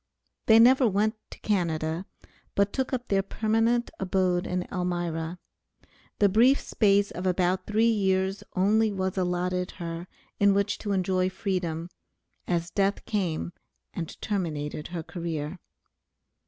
They never went to Canada, but took up their permanent abode in Elmira. The brief space of about three years only was allotted her in which to enjoy freedom, as death came and terminated her career.